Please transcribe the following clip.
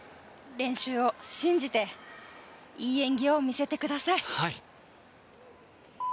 練習を信じていい演技を見せてください。